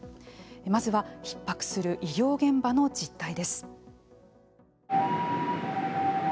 まずはひっ迫する医療現場の実態です。